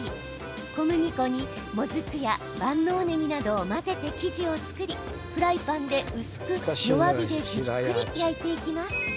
小麦粉に、もずくや万能ねぎなどを混ぜて生地を作りフライパンで薄く弱火でじっくり焼いていきます。